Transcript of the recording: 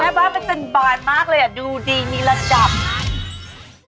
แม่บ้าปมันเป็นบานมากเลยอ่ะดูดีมีระจำ